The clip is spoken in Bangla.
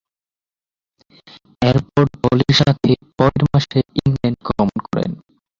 এরপর, দলের সাথে পরের মাসে ইংল্যান্ড গমন করেন।